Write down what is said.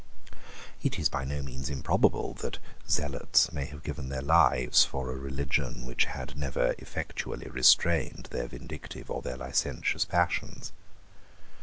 It is by no means improbable that zealots may have given their lives for a religion which had never effectually restrained their vindictive or their licentious passions.